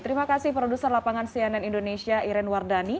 terima kasih produser lapangan cnn indonesia iren wardani